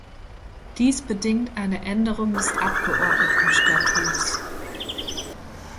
Dies bedingt eine Änderung des Abgeordnetenstatuts.